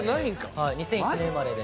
はい２００１年生まれで。